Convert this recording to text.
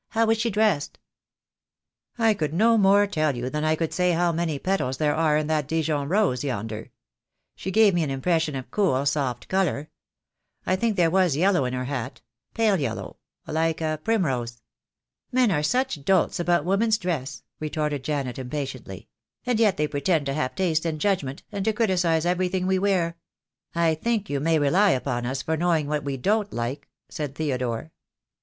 "How was she dressed?" "I could no more tell you than I could say how many petals there are in that Dijon rose yonder. She gave me an impression of cool soft colour. I think there was yellow in her hat — pale yellow, like a primrose." "Men are such dolts about women's dress," retorted Janet, impatiently; "and yet they pretend to have taste and judgment, and to criticize everything we wear." "I think you may rely upon us for knowing what we don't like," said Theodore.